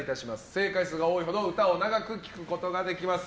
正解数が多いほど歌を長く聴くことができます。